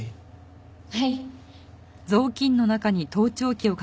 はい。